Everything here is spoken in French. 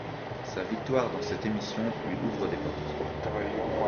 Sa victoire dans cette émission lui ouvre des portes.